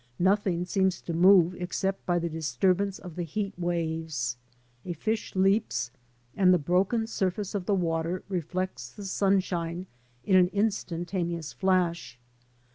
Nothing seems to move except by the disturbance of the heat waves. A fish leaps, and the broken surface of the water reflects the sunshine in an instantaneous flash.